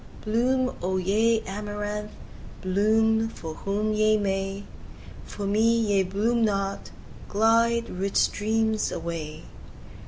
Bloom, O ye amaranths! bloom for whom ye may, For me ye bloom not! Glide, rich streams, away!